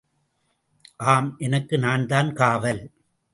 ஆம், எனக்கு நான்தான் காவல்.